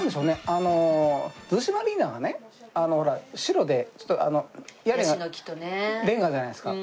あの逗子マリーナがねほら白で屋根がレンガじゃないですか。